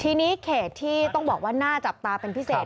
ทีนี้เขตที่ต้องบอกว่าน่าจับตาเป็นพิเศษ